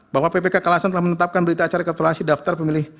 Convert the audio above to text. bahwa ppk kalasan telah menetapkan berita acara kalkulasi daftar pemilih